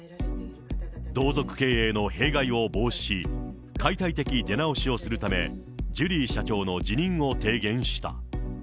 同族経営の弊害を防止し、解体的出直しをするため、ジュリー社長の辞任を提言した。